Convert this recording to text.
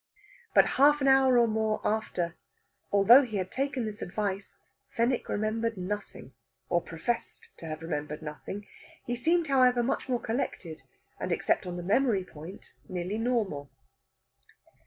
But half an hour or more after, although he had taken this advice, Fenwick remembered nothing, or professed to have remembered nothing. He seemed, however, much more collected, and except on the memory point nearly normal.